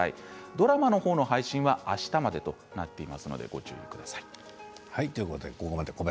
ドラマの配信は、あしたまでになっていますのでご注意ください。